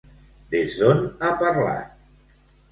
Des d'on ha parlat?